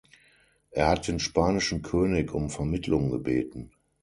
Er hat den spanischen König um Vermittlung gebeten.